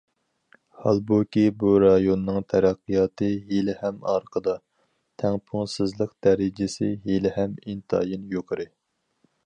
ھالبۇكى، بۇ رايوننىڭ تەرەققىياتى ھېلىھەم ئارقىدا، تەڭپۇڭسىزلىق دەرىجىسى ھېلىھەم ئىنتايىن يۇقىرى.